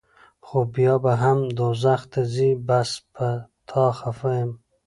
خو بیا به هم دوزخ ته ځې بس پۀ تا خفه يم